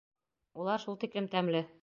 Улар шул тиклем тәмле.